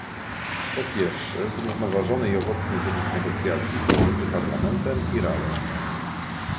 Po pierwsze, zrównoważony i owocny wynik negocjacji pomiędzy Parlamentem i Radą